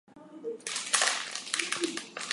They include Dave Ramsey, Jim Bohannon and Red Eye Radio.